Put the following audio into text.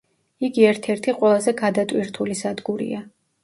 იგი ერთ-ერთი ყველაზე გადატვირთული სადგურია.